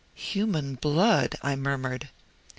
"Human blood!" I murmured.